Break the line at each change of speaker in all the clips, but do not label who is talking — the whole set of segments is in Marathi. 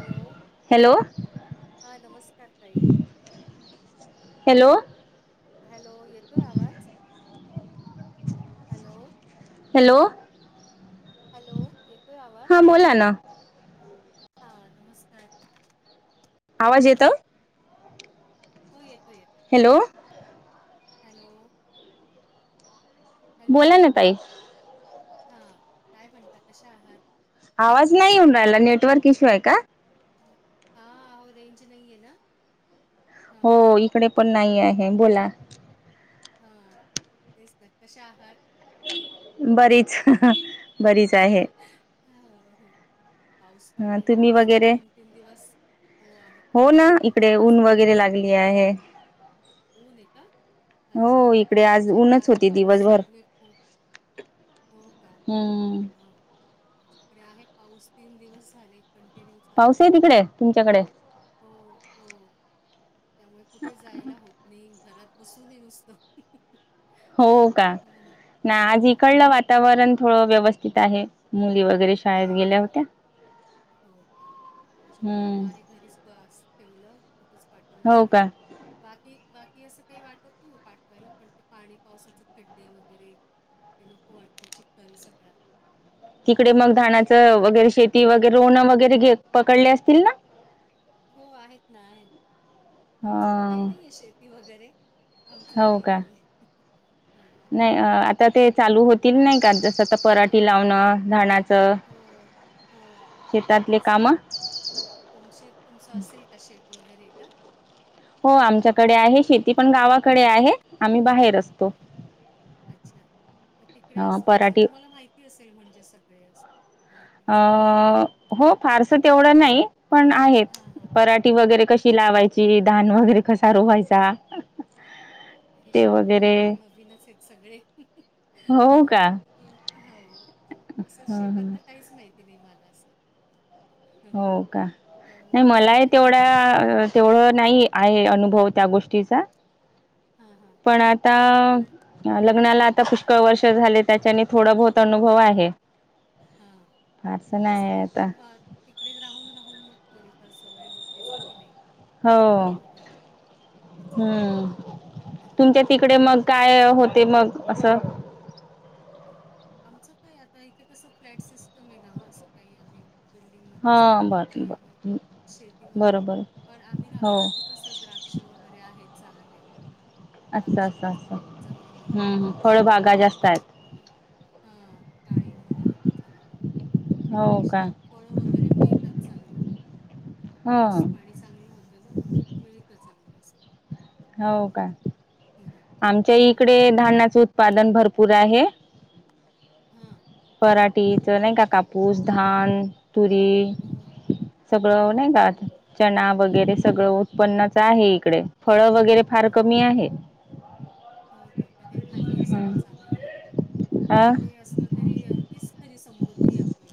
हॅलो?
हॅलो
हा, नमस्कार ताई.
हॅलो?
हॅलो? येतोय आवाज? हॅलो?
हॅलो?
हॅलो? येतोय आवाज?
हां बोला ना
हा नमस्कार.
आवाज येत?
हो येतोय,
हॅलो
येत-येतोय, हॅलो? हॅलो?
बोला ना ताई
हा काय म्हणता, कश्या आहात?
आवाज नाही येऊन राहायला, नेटवर्क इश्यू ये का?
हा, आओ रेंज नाही ये ना?
हो,
हां
इकडे पण नाही आहे, बोला.
हा, तेच तर, कशा आहात?
बरीच, ह्हणं ह्हणं.
हो. पाऊस
ह
पडे ना,
तुम्ही
आज
वगैरे
दोन-तीन दिवस, हो आम्ही पण, मजेत सगळे.
ली आहे.
ऊन आहे का
हो,
अच्छा
इकडे आज,
आमच्या इथे
ऊनच
आहे
होतें
पाऊस
दिवसभर.
चालू आहे खूप हो का
हम्म.
हां आमच्याकडे आहे पाऊस, तीन दिवस झाले. कन्टिन्युच
पाऊस ये, तिकडे तुमच्याकडे?
हो, हो. त्यामुळे कुठे जायला होत नाही घरात बसूनये नुसतं.
हो का, ना आज
हो
इकडलं वातावरण थोडं व्यवस्थित आहे मुली वगैरे शाळेत
हां
गेल्या
हां
होत्या.
हो का, माझ्या मुलांना
हम्म
आहे घरीच पास ठेवलं. कुठेच पाठवलंच
हो
नाही.
का
बाकी बाकी असं काही वाटत नाही हो पाठवायला पण ते पाणी पावसाचे खड्डे वगैरे. ते नको वाटत चिखल सगळा.
तिकडे मग
भाजीपाल्याला
धणाचं वगैरे शेती वगैरे रोन वगैरे घे पकडले असतील ना?
हो आहेत ना आहेत. आमचं तर काही
अं,
नाहीये शेती वगैरे, आमचं
हो
काही
का
नाहीये.
नाही आता ते चालू होतील नाही का जसं आता
हो
पराठी लावणं धाणाचं.
हो हो
शेतातले
तेच
काम.
ना तुमचे तुमचं असेल का शेत वगैरे का?
हो आमच्याकडे आहे शेती पण गावाकडे आहे. आम्ही बाहेर असतो
गावाकडे, अच्छा, म तिकडे
अं,
असत असेल
पराठी
तुम्हाला माहि ती असेल म्हणजे सगळे असे.
अ हो फारस तेवढं नाही पण आहेत.
हां हां
पराठी वगैरे कशी
अच्छा
लावायची धान वगैरे कसा रोवायचा.
हे
ते
शब्द
वगैरे
मला आता नवीनच आहेत सगळे.
हो का
पण हो, असं
हं, हं.
शेतातलं काहीच माहिती नाही मला असं.
हो का, नाही
त्यामुळे असं
मलाही
काहीच
तेवढ
नाही
तेवढं नाही आहे अनुभव त्या गोष्टीचा.
हां हां हां
पण आता
पण
लग्नाला आता
हां
पुष्कळ वर्ष झाले त्याच्याने थोडा बहुत अनुभव आहे.
हा,
फारसं
मग
नाही
कसं
आहे
ते
आता
बा तिकडे राहून राहून मग थोडीफार सवय होतेच की नाही?
हो
बरोबर आहे, हे चांगलं आहे.
इकडे मग काय होते मग असं
आमचं काय आता इथे कसं फ्लॅट सिस्टम आहे ना हो असं काही आम्ही बिल्डिंग मध्ये
हा
असल्यावरती
बर
काही आहे,
बर
शेती वगैरे,
बरोबर
पण आम्ही राहतो
हो
तिथे कस द्राक्ष वगैरे आहेत चांगले.
असं असं
द्राक्षांचं चांगली मिळतात द्राक्षे.
का जास्त आहेत?
हा डाळिंब मिळत चांगलं. म्हणजे
हो का
असे फळ वगैरे मिळतात चांगले,
ह
पाऊस पाणी चांगलं होतं न म मिळत चांगलं असं.
हो का,
हो
आमच्या
हो ना
इकडे धान्याचं उत्पादन भरपूर आहे,
हां
पराठीचं नाही का काप पूस, धान, तुरी,
हो
सगळं नाही का चणा वगैरे
बरोबर
सगळं उत्पन्नच आहे इकडे फळ वगैरे फार
अरे वा
कमी आहे.
हो का पण हे धान्य सगळं चांगलं आहे ना पण.
ह.
ते असल तरी तीच खरी समृद्धी आहे आपली.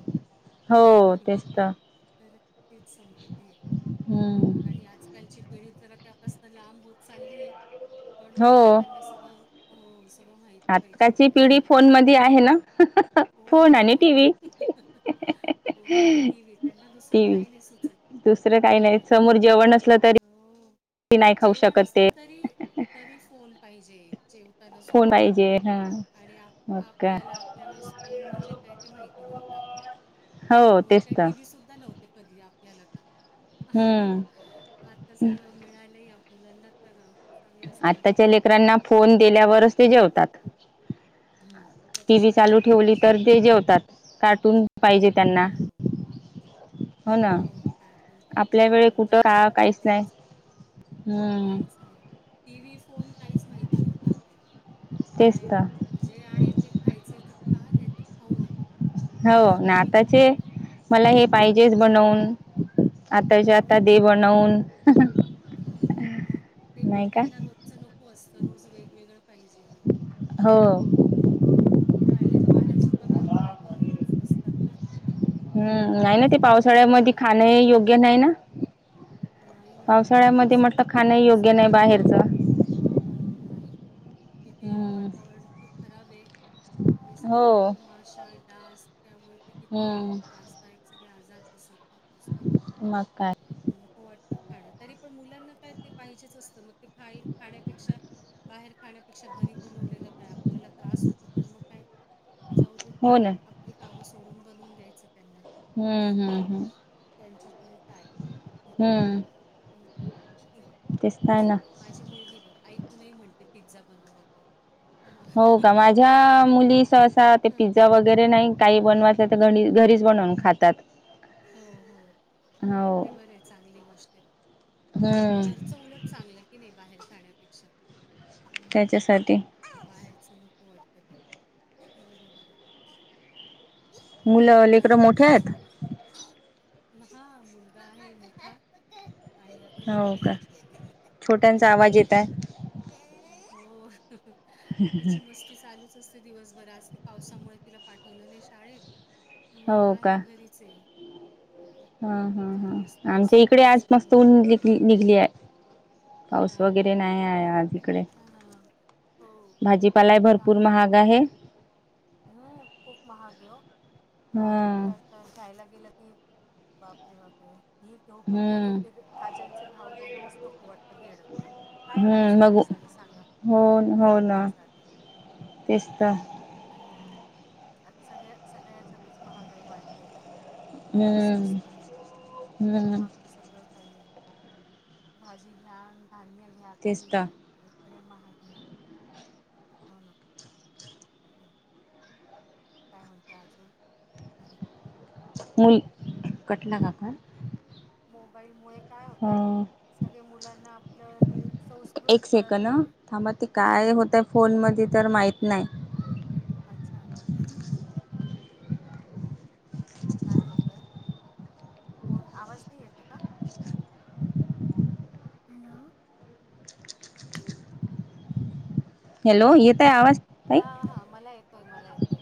हो तेच तर
तर, तीच समृद्धी आहे.
हम्म
आणि आजकालची पिढी जरा त्यापासन लांब होत चाललीय पण मग
हो
त्यांना सगळं हो सगळं माहिती पाहिजे
आताची
हल्ली
पिढी
सगळं
फोन
ते
मध्ये आहे ना फोन
होन
आणि टीव्ही
मग फोन आणि टी व्ही त्यांना दुसरं
टीव्ही
काही नाही सुचत.
दुसरं काही नाही
खरंय
समोर जेवण नसलं तरी
हो
नाही खाऊ
जेवण
शकत
असलं
ते
तरी तरी फोन पाहिजे जेवताना
फोन
सुद्धा.
पाहिजे हा
आणि आप
मग काय
आपल्याला आपल्या वेळेस फोन म्हणजे काय ते माहिती नव्हतं आपल्याला.
हो
फोन
तेच
काय
तर
टीव्ही सुद्धा नव्हते कधी आपल्याला तर.
हम्म
आता सगळं मिळालंय या मुलांना तर चांगलाच त्यांचा
आत्ताच्या
फायदा
लेकरांना
घेतात ते
फोन दिल्यावरच ते जेवतात.
हम्म.
टी. व्ही
त्याच्याशिवाय
चालू
जेवण
ठेवली
नको
तर
मग
ते
त्यांना
जेवतात कार्टून पाहिजे त्यांना. हो ना
कार्टून
आपल्या
पाहिजे
वेळे कुठं का
मोबाईलवरती पण
काहीच नाही.
तेच
हम्म
काहीच नाही टी व्ही, फोन काहीच माहिती नव्हता आपल्याला.
तेच
काय
तर.
जे आहे ते खायचे तर खा नाही तर खाऊ नका.
हो न आताचे मला हे पाहिजेच
आताचे
बनवून. आताच्या आता दे
हो,
बनवून.
हो मग ते पण
नाही का
त्यांना रोजचं नको असतं रोज वेगवेगळ पाहिजे.
हो.
त्याले ते बाहेरचे पदार्थ त्या कमीच असतात का? ते काय
हम्म नाही ना
मोमोज
ते
बनवून
पावसाळ्यामध्ये
दे,
खाणं हे
पिझ्झा
योग्य नाही ना.
नाही ना, त्रास होतो, खूप त्रास होतो.
बाहेरच
अ नाही किती
हम्म
वातावरण खूप खराब आहे. आणि सगळीकडे
हो
ते माशा, डास त्यामुळे ते किती
हम्म
त्रास दायक सगळे आजार पसरतात नुसते.
मग काय
नको वाटत खान तरी पण मुलांना काय ते पाहिजेच असतं मग ते खाय खाण्यापेक्षा बाहेर खाण्यापेक्षा घरी बनवलेलं काय आपल्याला त्रास होतो पण मग काय जाऊ देत
हो
ते
ना
आपली कामं सोडून बनवून द्यायचं त्यांना.
हम्म हम्म हम्म
त्यांच्या पुढे काय? मग
दिसतय ना.
माझी मुलगी बघा ऐकूनही म्हणते पिझ्झा बनव आता. म-
हो का माझ्या मुली सहसा ते
हा.
पिझ्झा वगैरे नाही काही बनवायचं तर घ घरीच बनवून खातात.
हो हो.
हो
ते बरंय चांगली गोष्टय म्हणजे
हम्म
घरचं उलट चांगलंय. कि नाही बाहेर खाण्यापेक्षा मग.
त्याच्यासाठी
बाहेरच नको वाटत ते बरोबर आहे. अ
मुलं
काय
लेकरं
म्हणता
मोठे आहेत.
अजून? हा मुलगा आहे मोठा. आणि आता
हो
मुलगी ही
का
छोटी
छोट्यांचा
हो.
आवाज येत आहे.
हो तिची मस्त स्ती चालूच असते दिवसभर आज ते पावसामुळे तिला पाठवलं नाही शाळेत. मग
हो का
आहे घरीचय.
हा हा हा आमच्या इकडे आज,
दिवसभर
मस्त
मग
ऊन
मोबाईल
निघली आहे. पाऊस
हा का
वगैरे नाही आहे आज इकडे.
हा हो
भाजीपालाभरपूर महाग आहे.
हम् खूप महाग हो भाज्या. तर
हम्म
असता खायला गेलं की बापरे बापरे. ही घेऊ काय ती घेऊ
हम्म
काय ते भाज्यांचे भाव बघूनच नको वाटतं घेण. काय खायचं
हम्म मग
माणसाने सांगा?
हो हो
काय
ना
खायचं आता
तेच ना.
मग आज सगळ्या सगळ्या याच्यातच महागाई वाढलेली आहे. काही
हम्म
स्वस्त नाही
हम्म
महाग. सगळं काही आहे, भाजी घ्या धान्य घ्या
तेच
काही
तर
घ्या. इकडे महाग आहे. हो ना. हम् काय म्हणत अजून?
मल [unintelligible] कटला काका
मोबाईल मुळे काय होतय. सगळे मुलांना आपलं हे संस्कृती
एक
कळत नाही हा हां.
फोनमध्ये तर माहीत नाही.
अच्छा! काय होतय, कोण? आवाज नाही येते का? हॅलो.
हॅलो येत आहे आवाज. ताई?
हा हा मला येतोय मला येतोय.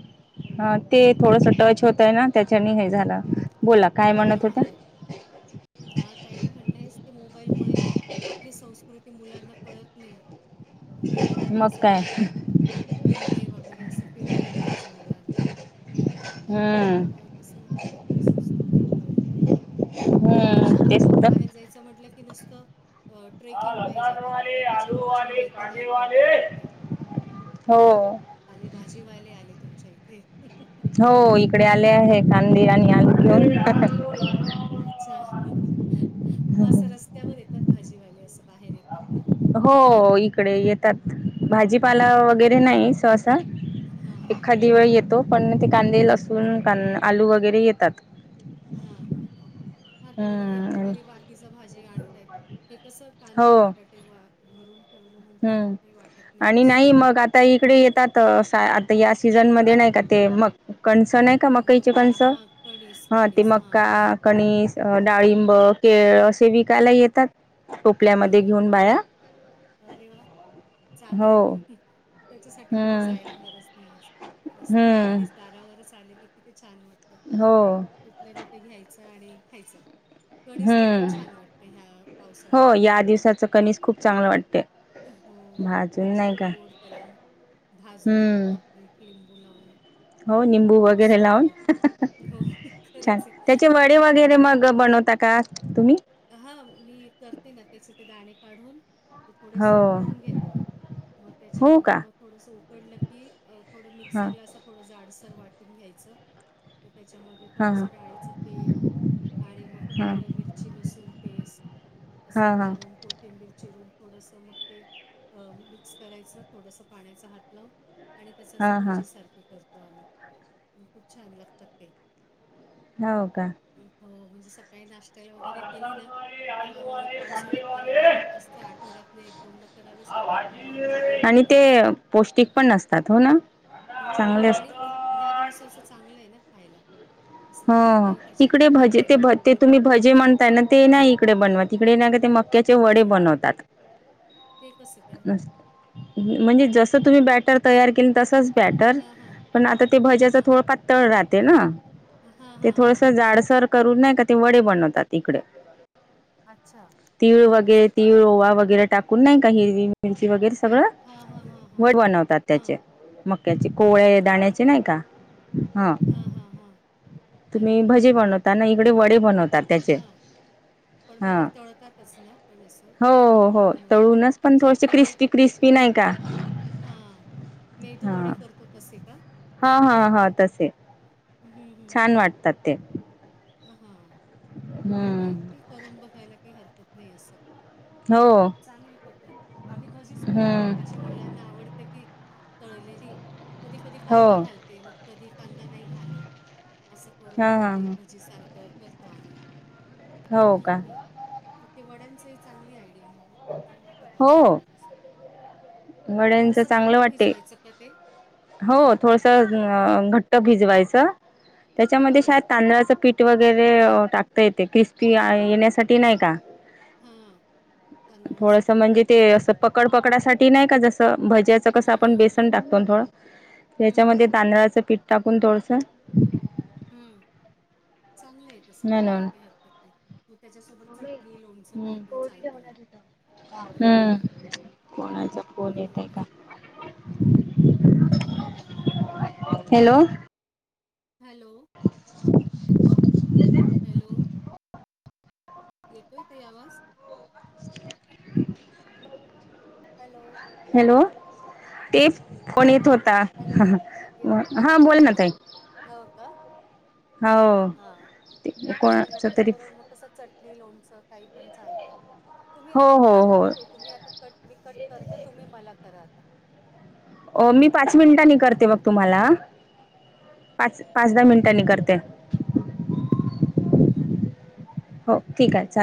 ह ते
हो
थोडस टच होतय ना त्याच्याने हे झालं, बोला काय
हा
म्हणत होत्या.
हा हा काही नाही म्हटलं आहेच ते मोबाईलमुळे. आपली संस्कृती मुलांना कळत नाही आपले मुलांनाही
मग काय
सगळे. किल्ले वगैरे असं फिरवलं पाहिजे मुलांना त्यामुळे
हम्म
त्यांना. कसं आपली संस्कृती कळेल त्यांना. पण हल्लीची
हम्म तेच
मुलं
तर
बाहेर जायचं म्हटलं की नुसतं. ट्रेकिंग पाहिजे त्यांना, पण त्याच्या मागची माहिती नाही बघत ते.
हो
आले भाजीवाले आले तुमच्या इथे.
हो इकडे आले आहे, खांदे आणि आलू घेऊन.
अच्छा मग असं रस्त्यावर येतात भाजीवाले, असं बाहेर येतात का?
हो इकडे येतात, भाजीपाला वगैरे नाही सहसा.
हा हा
एखादी वेळ येतो, पण ते कांदे लसून कां आलू वगैरे येतात.
हा हा हा हा तेवढं घेतलं
हम्म
तरी बाकीच भाजी आणता येतं, हे कसं
हो
कांदे बटाटे वा भरून. ठेवलं म्हणजे मग काही वाटत नाही लसून..
ताई इकडे येतात सा आता या सीझनमध्ये नाही का ते मग कणस नाही. ते मागायची
मका
कंस
हां, कणीस,
हा ते
कणीस. हां, हां.
मका कणीस, डाळिंब, केळ, असे विकायला येतात टोपल्यामध्ये
हां, हां.
घेऊन बाया.
अरे व्हा चांगलं
हो
आहे. त्याच्यासाठी कुठे
हम्म
जायला गरज नाही अस रस्
हम्म
घरीच दारावरच आले की कि ते छान वाटतं.
हो.
तिथल्या तिथे घ्यायचं आणि खायचं. कणीस तर खूप
हम्म
छान वाटतं ह्या पावसाळ्यात खायला.
यातल कणीस खूप चांगलं वाटते.
हो
भाजून नाही
छान
का
गोड त्याला भाजून
हम्म
तिखट. मीठ लिंबू लावून
हो
तर
निंबू
खूपच
वगैरे लावून
सुंदर हो खरच आहे.
चे वडे वगैरे मग बनवता का तुम्ही.
हा मी करते ना त्याचे ते दाणे काढून ते थोडेसे
हो
उकडून घेते. मग
हो का
त्याच्यामध्ये मग थोडस उकडलं की थोडं
हा
मिक्सरला असं. थोडं जाडसर वाटून घ्यायचं त्याच्यामध्ये.
हा
थोडस डाळीचं पीठ आणि मग
हा हा
आलं मिरची. आल्ल लसूण पेस्ट अस
हा
घालून. [inaudible] चिरून थोडस मग ते मिक्स करायचं थोडस पाण्याचा हात लावून. आणि त्यास असे
हा हा
भजी सारखे करतो आम्ही खूप छान लागतात ते.
हो का.
हो म्हणजे सकाळी नाश्ता वगैरे केलेय ना. तर आम्हाला पावसाळ्यात तर असता आठवड्यात नाही एक दोनदा करावेच लागतात. मुलांना
आणि
आवडतात ना
ते पौष्टिक पण असतात हो ना
हो
चांगले असतात
आणि. [inaudible] ह्या दिवसाच चांगलं आहे ना खायला. असं म्हणजे
हो
काही
इकडे
त्याच्यात हे
भजे
नाही.
ते ते तुम्ही भजे म्हणताय ना ते नाही इकडे [inaudible] इकडे नाही का ते मग. त्याचे वडे
मग
बनवतात.
ते कसं काय?
म्हणजे जसं तुम्ही बॅटर तयार केलं तसंच बॅटर.
हां, हां.
पण आता ते भज्याच
हां.
थोडं पातळ राहते ना.
हां,
ते
हां,
थोडस
हां, हां.
जाडसर करून नाही का ते वडे बनवतात इकडे.
अच्छा.
तीळ वगैरे
असं ते
तीळ
अ,
ओवा वगैरे टाकून नाही काही.
हां, हां, हां,
[unintelligible]
हां.
वड बनवतात त्याचे
हां.
मक्याचे कोवळे दाण्याचे नाही का हा.
हा हा.
मी भजे बनवता ना इकडे वडे बनवता त्याचे.
हां. पण मग
हा
ते तळतातच ना पण असं
हो हो
तळून मग
तळूनच पण
म्हणजे
थोडसे क्रिस्पी. क्रिस्प नायका.
हा मेदू वडे करतो तसे का.
हा हा हा तसेच. छान वाटतात ते.
हा बर
हम्म
ते करून बघायला काही हरकत नाही असं. म्हणजे
हो
चांगली पद्धत आम्ही भजीच करतो म
हम्म
त्याची. मुलांना आवडते ती तळलेली. कधी कधी
हो
कांदा घालते मग कधी कांदा नाही घालत असं
हा
करून मग
हा
ते.
ह
सारख करतो आम्ही.
हो का
[inaudible] ते वड्यांच चांगली आयडिया म्हणजे चांगला
हो
पदार्थ होईल अस.
वड्यांचं
थोडसं
चांगलं
घट्ट
वाटते
भिजवायचं का ते.
हो थोडस घट्ट भिजवायचं त्याच्यामध्ये
हां,
शायत तांदळाचं पीठ. वगैरे टाकता येते क्रिस्पी येण्यासाठी नाही का.
हां. तांदळाचं
थोडस
पीठ
म्हणजे ते
घातलं तर
असं पकड पकडासाठी नाही का जसं भज्याचं कसं
हां,
आपण
हां, हां.
बेसन टाकतो. पण थोड
हं,
त्याच्यामध्ये तांदळाचं पीठ टाकून थोडस
हम्म, चांगलं आहे तसं
नाही ना
करायला काही हरकत नाही. मग त्याच्यासोबत चटणी लोणचं
हम्म
काही पण चालतं मग. हो ना.
हम्म, कोणाचा फोल येतोय काय माहीत.
फोन येतोय का?
हॅलो.
हॅलो.
हा [inaudible]
हॅलो. येतोय ताई आवाज?
[inaudible]
हॅलो.
हॅलो, एक फोन येत होता,
हॅलो. येत
हा बोल ना ताई.
हो का,
हो
हा तेच म्हटलं
कोणाच तरी
त्यांच्याबरोबर मग कस चट नी, लोनच, काही पण चालतं तुम्ही
हो
एक काम
हो
करा ताई तुम्ही आता कट मी कट करते तुम्ही मला करा आता.
अ मी पाच मिनिटांनी करते मग
हॅलो.
तुम्हाला पाच, पाच, दहा मिटांनी करते. हो ठीक आहे चालेल.